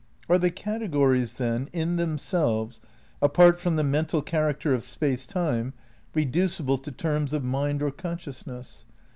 Are the categories, then, in themselves, apart from the mental character of Space Time, reducible to terms of mind or consciousness?